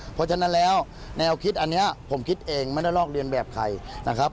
เพราะฉะนั้นแล้วแนวคิดอันนี้ผมคิดเองไม่ได้ลอกเรียนแบบใครนะครับ